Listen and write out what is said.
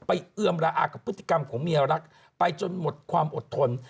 เอือมระอากับพฤติกรรมของเมียรักไปจนหมดความอดทน